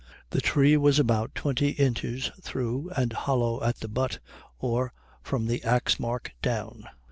The tree was about twenty inches through and hollow at the butt, or from the ax mark down.